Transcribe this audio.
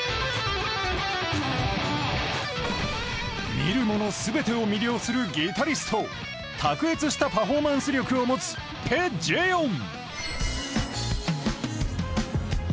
見る者すべてを魅了するギタスリト、卓越したパフォーマンス力を持つペ・ジェヨン。